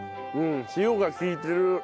うん塩が利いてる。